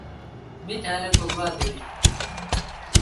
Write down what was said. می تھال اؘ کو گوا دیرل۔